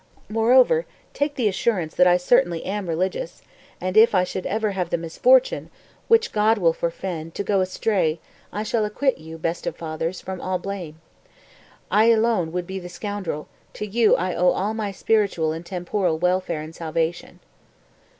252. "Moreover take the assurance that I certainly am religious, and if I should ever have the misfortune (which God will forefend) to go astray, I shall acquit you, best of fathers, from all blame. I alone would be the scoundrel; to you I owe all my spiritual and temporal welfare and salvation."